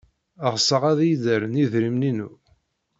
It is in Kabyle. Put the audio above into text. Ɣseɣ ad iyi-d-rren idrimen-inu.